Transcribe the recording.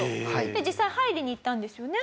実際入りに行ったんですよね？